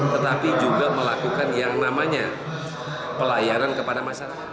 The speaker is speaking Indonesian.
tetapi juga melakukan yang namanya pelayanan kepada masyarakat